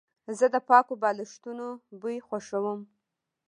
زه د پاکو بالښتونو بوی خوښوم.